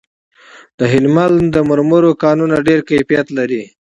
د هلمند د مرمرو کانونه ډیر کیفیت لري